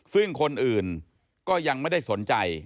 ซึ่งคนอื่นก็ยังไม่ได้สนใจ